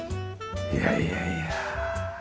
いやいやいや。